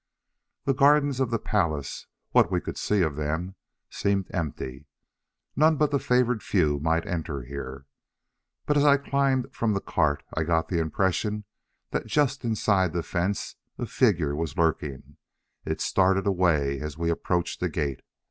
The gardens of the palace, what we could see of them, seemed empty none but the favored few might enter here. But as I climbed from the cart, I got the impression that just inside the fence a figure was lurking. It started away as we approached the gate.